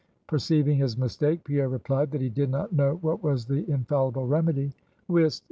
Perceiving his mistake, Pierre replied that he did not know what was the infallible remedy. "Whist!